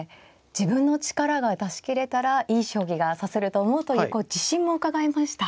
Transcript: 自分の力が出し切れたらいい将棋が指せると思うというこう自信もうかがえました。